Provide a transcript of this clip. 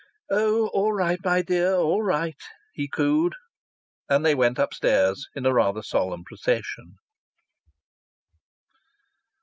"Oh, all right, my dear! All right!" he cooed. And they went upstairs in a rather solemn procession.